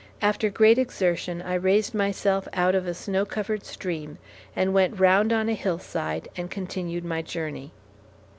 After great exertion I raised myself out of a snow covered stream, and went round on a hillside and continued my journey.